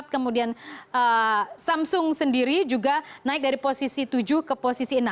kemudian samsung sendiri juga naik dari posisi tujuh ke posisi enam